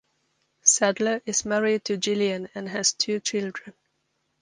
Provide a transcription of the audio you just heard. Sadler is married to Gillian and has two children.